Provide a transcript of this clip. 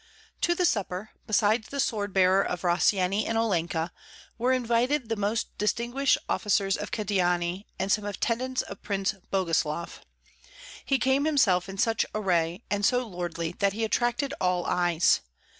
To the supper, besides the sword bearer of Rossyeni and Olenka, were invited the most distinguished officers of Kyedani and some attendants of Prince Boguslav. He came himself in such array and so lordly that he attracted all eyes.